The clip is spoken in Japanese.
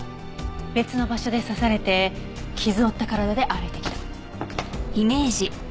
別の場所で刺されて傷を負った体で歩いてきた。